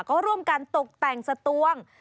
ก็ร่วมกันตกแต่งสตวง